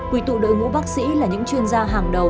quy tụ đội ngũ bác sĩ là những chuyên gia hàng đầu